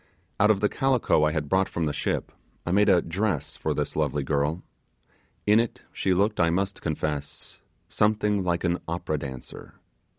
Out of the calico I had brought from the ship I made a dress for this lovely girl. In it she looked, I must confess, something like an opera dancer.